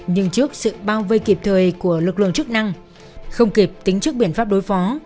nhưng trước sự bao vây kịp thời của lực lượng chức năng không kịp tính trước biện pháp đối phó